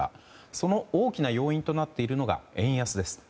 その大きな要因となっているのが円安です。